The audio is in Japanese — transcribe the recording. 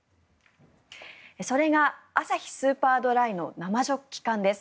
それがアサヒスーパードライの生ジョッキ缶です。